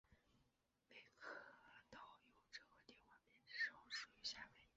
威克岛邮政和电话编制上属于夏威夷。